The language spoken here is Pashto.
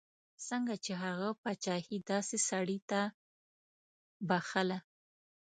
څنګه یې هغه پاچهي داسې سړي ته بخښله.